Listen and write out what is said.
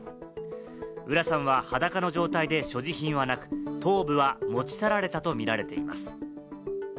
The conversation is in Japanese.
浦さんは裸の状態で所持品はなく、頭部は持ち去られたと見られています。